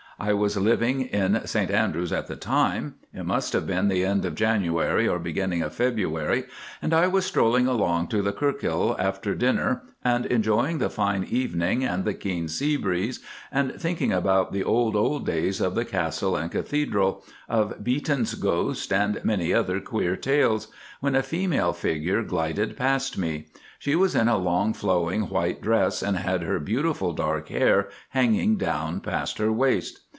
I was living in St Andrews at the time. It must have been the end of January or beginning of February, and I was strolling along to the Kirkhill after dinner and enjoying the fine evening and the keen sea breeze, and thinking about the old, old days of the Castle and Cathedral, of Beaton's ghost, and many other queer tales, when a female figure glided past me. She was in a long, flowing white dress, and had her beautiful dark hair hanging down past her waist.